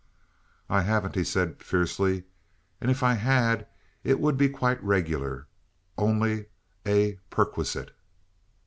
"I haven't," he said fiercely. "And if I had it would be quite regular only a perquisite."